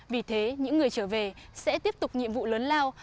vì thế những người trở về sẽ tiếp tục nhiệm vụ lớn lao